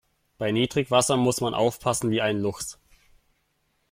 Bei Niedrigwasser muss man aufpassen wie ein Luchs.